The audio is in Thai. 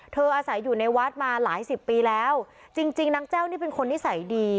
อาศัยอยู่ในวัดมาหลายสิบปีแล้วจริงจริงนางแจ้วนี่เป็นคนนิสัยดี